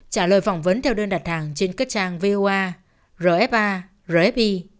trả lời phỏng vấn theo đơn đặt hàng trên các trang voa rfa rfp